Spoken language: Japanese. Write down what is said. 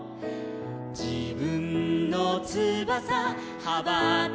「じぶんのつばさはばたかせて」